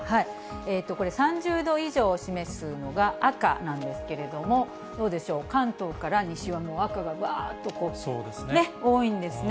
これ、３０度以上を示すのが赤なんですけれども、どうでしょう、関東から西は、もう赤がわーっと多いんですね。